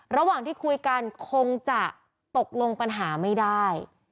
ระหว่างที่คุยกันคงจะตกลงปัญหาไม่ได้